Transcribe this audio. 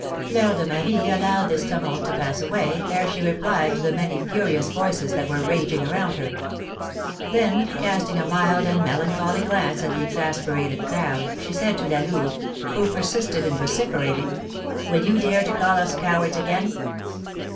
Fleur de Marie allowed this tumult to pass away, ere she replied to the many furious voices that were raging around her. Then, casting a mild and melancholy glance at the exasperated crowd, she said to La Louve, who persisted in vociferating, "Will you dare to call us cowards again?"